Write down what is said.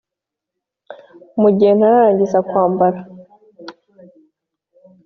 . Mu gihe ntararangiza kwambara,